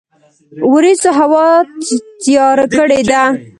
وریځوهوا تیار کړی ده